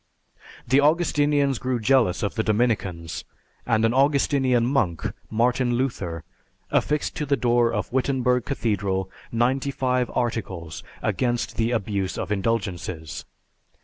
The Augustinians grew jealous of the Dominicans, and an Augustinian Monk, Martin Luther, affixed to the door of Wittenberg Cathedral ninety five articles against the abuse of indulgences.